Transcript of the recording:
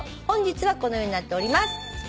本日はこのようになっております。